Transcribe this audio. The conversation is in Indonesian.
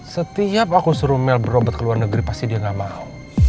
setiap aku suruh mel berobat ke luar negeri pasti dia gak mahal